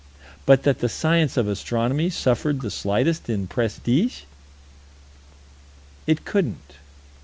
But that the science of Astronomy suffered the slightest in prestige? It couldn't.